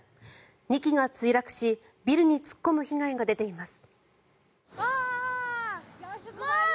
２機が墜落しビルに突っ込む被害が出ています。